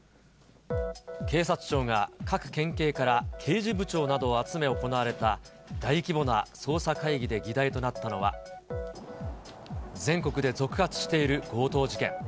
警察庁が各県警から刑事部長などを集め、行われた、大規模な捜査会議で議題となったのは、全国で続発している強盗事件。